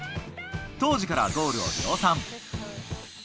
当時からゴールを量産。